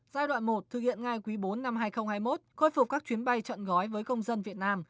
giai đoạn một thực hiện ngay quý bốn năm hai nghìn hai mươi một khôi phục các chuyến bay chọn gói với công dân việt nam